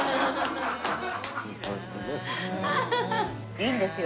いいんですよ